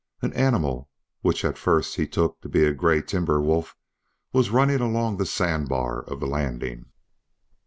An animal, which at first he took to be a gray timber wolf, was running along the sand bar of the landing.